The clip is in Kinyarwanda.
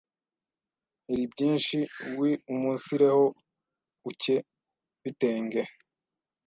heri byinshi wiumunsireho ukebitenge